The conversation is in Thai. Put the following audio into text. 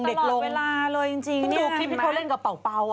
เด็กตลอดเวลาเลยจริงดูคลิปที่เขาเล่นกับเบาอะไปแล้ว